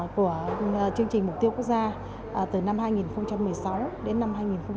của chương trình mục tiêu quốc gia từ năm hai nghìn một mươi sáu đến năm hai nghìn hai mươi